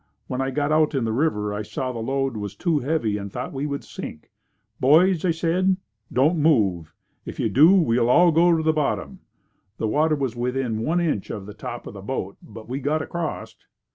When I got out in the river, I saw the load was too heavy and thought we would sink. "Boys", I said, "don't move. If you do, we'll all go to the bottom." The water was within one inch of the top of the boat but we got across.